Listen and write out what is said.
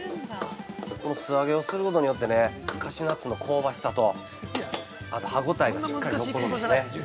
この素揚げをすることによってカシューナッツの香ばしさとあと歯ごたえがしっかり残るんですね。